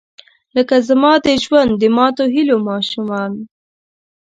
لکه زما د ژوند، د ماتوهیلو ماشومان